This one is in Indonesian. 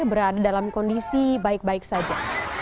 berada dalam kondisi baik baik saja